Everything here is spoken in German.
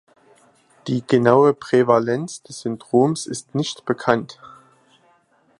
Die genaue Prävalenz des Syndroms ist nicht bekannt.